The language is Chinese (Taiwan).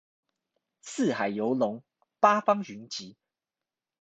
四海遊龍，八方雲集